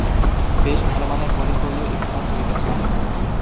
বেশ ভালোমানের বোলিং করলেও একটিমাত্র উইকেট পান।